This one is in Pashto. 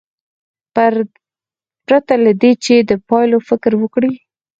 پرته له دې چې د پایلو فکر وکړي.